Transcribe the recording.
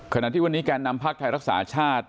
ขณะที่วันนี้แก่นำภาคไทยรักษาชาติ